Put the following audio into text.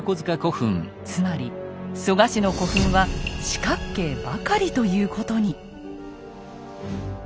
つまり蘇我氏の古墳は四角形ばかりということに。